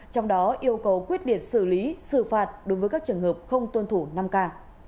trong đó yêu cầu quyết liệt xử lý xử phạt đối với các trường hợp không tuân thủ năm k